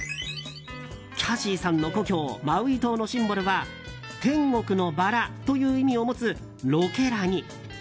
キャシーさんの故郷マウイ島のシンボルは天国のバラという意味を持つロケラニ。